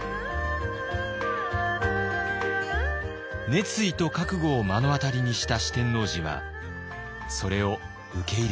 熱意と覚悟を目の当たりにした四天王寺はそれを受け入れます。